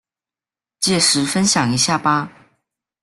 届时分享一下吧